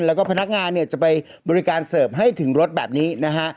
แล้วก็พนักงานเนี่ยจะไปบริการเสิร์ฟให้ถึงรถแบบนี้นะฮะ